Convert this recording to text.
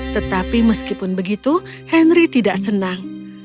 tetapi meskipun begitu henry tidak senang